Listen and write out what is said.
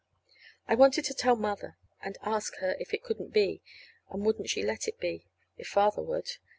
I wanted to tell Mother, and ask her if it couldn't be, and wouldn't she let it be, if Father would.